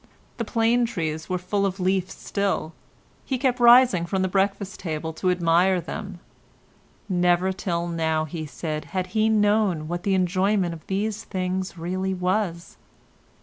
The plane trees were full of leaf still; he kept rising from the breakfast table to admire them; never till now, he said, had he known what the enjoyment of these things really was.